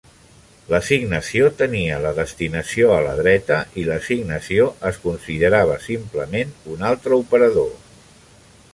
L'assignació tenia la destinació a la dreta i l'assignació es considerava simplement un altre operador.